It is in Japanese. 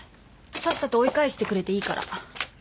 さっさと追い返してくれていいから。